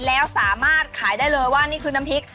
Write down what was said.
แล้วสามารถขายได้เลยว่านี่คือน้ำพริก